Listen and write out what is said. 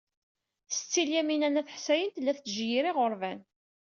Setti Lyamina n At Ḥsayen tella tettjeyyir iɣerban.